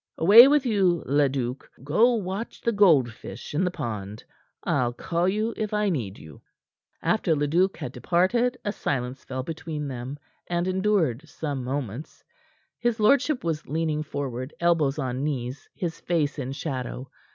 "Away with you, Leduc. Go watch the goldfish in the pond. I'll call you if I need you." After Leduc had departed a silence fell between them, and endured some moments. His lordship was leaning forward, elbows on knees, his face in shadow.